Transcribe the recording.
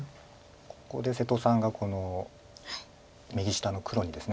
ここで瀬戸さんがこの右下の黒にですね